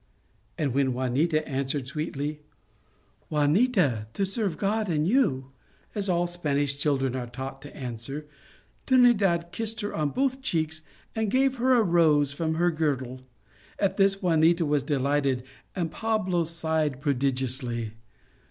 " and when Juanita answered, sweetly :" Juanita, to serve God and you," as all Spanish children are taught to answer, Trinidad kissed her on both cheeks, and gave her a rose from her girdle. At this Juanita was delighted, and Pablo sighed prodigiously.